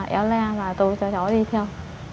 éo le và tôi cho cháu đi theo